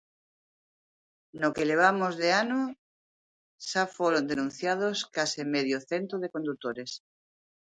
No que levamos de ano xa foron denunciados case medio cento de condutores.